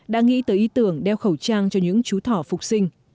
đã nghĩ tới ý tưởng đeo khẩu trang cho những chú thỏ phục sinh